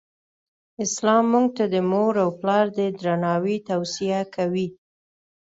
اسلام مونږ ته د مور او پلار د درناوې توصیه کوی.